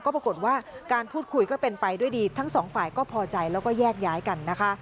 ปรากฏว่าการพูดคุยก็เป็นไปด้วยดีทั้งสองฝ่ายก็พอใจแล้วก็แยกย้ายกันนะคะ